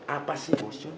apa sih bos jun